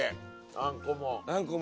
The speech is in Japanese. あんこも。